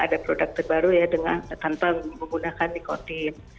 ada produk terbaru ya tanpa menggunakan nikotin